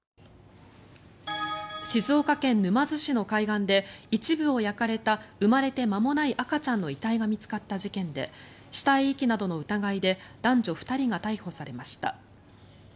静岡県沼津市の海岸で一部を焼かれた生まれて間もない赤ちゃんの遺体が見つかった事件で死体遺棄などの疑いで男女２人が逮捕されました。